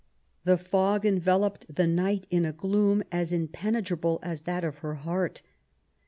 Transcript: The fog en veloped the night in a gloom as impenetrable as that of her heart.